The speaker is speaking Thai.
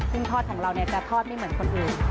ซึ่งทอดของเราจะทอดไม่เหมือนคนอื่น